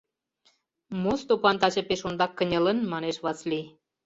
— Мо Стопан таче пеш ондак кынелын? — манеш Васлий.